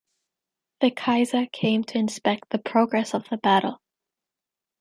The Kaiser came to inspect the progress of the battle.